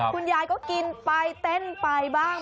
คุณยายก็กินไปเต้นไปบ้าง